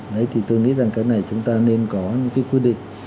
đấy thì tôi nghĩ rằng cái này chúng ta nên có những cái quy định